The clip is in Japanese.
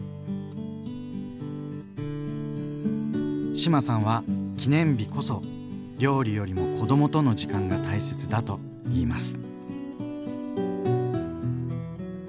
志麻さんは記念日こそ料理よりも子どもとの時間が大切だと言います。